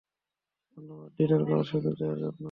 ধন্যবাদ ডিনার করার সুযোগ দেওয়ার জন্য।